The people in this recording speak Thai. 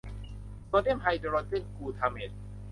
โซเดียมไฮโดรเจนกลูทาเมต